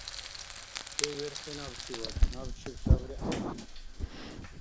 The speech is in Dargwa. Чевверхи набчивад, набчиб сабри гӀяйиб.